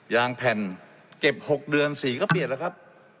ยางแผ่นเก็บ๖เดือน๔ก็เปลี่ยนแล้วครับ